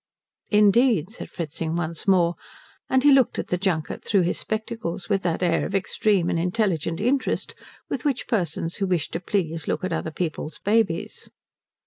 "Indeed?" said Fritzing once more; and he looked at the junket through his spectacles with that air of extreme and intelligent interest with which persons who wish to please look at other people's babies.